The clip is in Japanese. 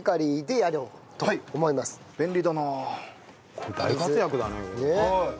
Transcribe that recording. これ大活躍だね。